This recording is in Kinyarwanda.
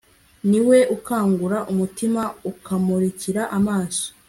ni we ukangura umutima, akamurikira amaso